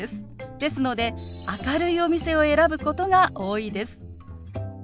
ですので明るいお店を選ぶことが多いです。